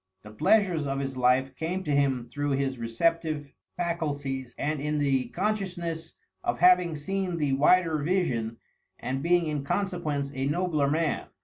The pleasures of his life came to him through his receptive faculties, and in the consciousness of having seen the wider vision, and being in consequence a nobler man.